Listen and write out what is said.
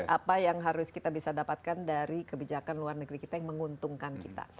apa yang harus kita bisa dapatkan dari kebijakan luar negeri kita yang menguntungkan kita